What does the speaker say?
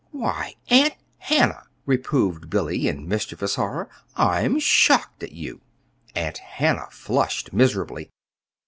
"Why Aunt Hannah!" reproved Billy in mischievous horror. "I'm shocked at you!" Aunt Hannah flushed miserably.